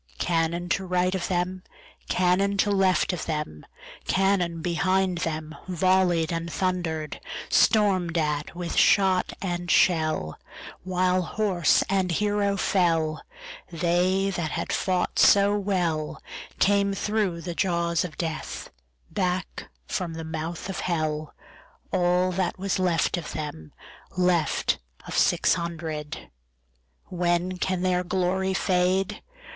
Cannon to right of them, Cannon to left of them, Cannon behind themVolley'd and thunder'd; Storm'd at with shot and shell, While horse and hero fell, They that had fought so wellCame thro' the jaws of Death, Back from the mouth of Hell, All that was left of them, Left of six hundred. When can their glory fade?